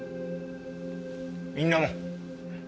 みんなも。